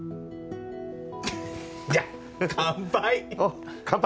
じゃあ乾杯。